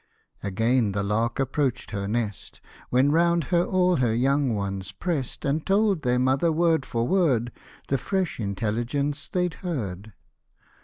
Again the lark approach'd her nest, When round her all her young one's prest, And told their mother, word for word, The fresh intelligence they'd heard.